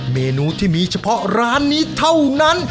เมนูที่มีเฉพาะร้านนี้เท่านั้น